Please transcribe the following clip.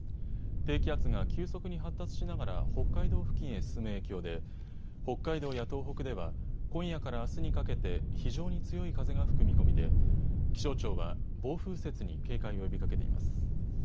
低気圧が急速に発達しながら北海道付近へ進む影響で北海道や東北では今夜からあすにかけて非常に強い風が吹く見込みで気象庁は暴風雪に警戒を呼びかけています。